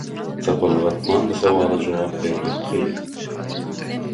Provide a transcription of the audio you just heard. Sapalak atman bu sowala jogap bermek kyn.